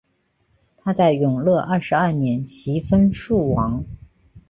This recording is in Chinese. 他在永乐二十二年袭封肃王。